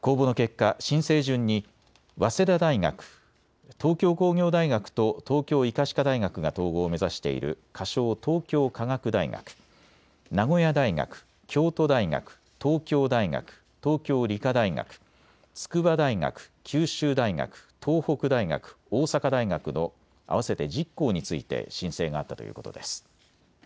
公募の結果申請順に早稲田大学、東京工業大学と東京医科歯科大学が統合を目指している仮称・東京科学大学、名古屋大学、京都大学、東京大学、東京理科大学、筑波大学、九州大学、東北大学、大阪大学の合わせて１０校について申請があったということです。